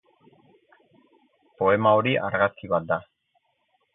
Poema hori argazki bat da.